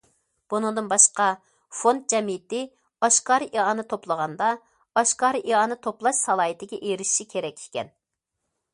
بۇنىڭدىن باشقا، فوند جەمئىيىتى ئاشكارا ئىئانە توپلىغاندا، ئاشكارا ئىئانە توپلاش سالاھىيىتىگە ئېرىشىشى كېرەك ئىكەن.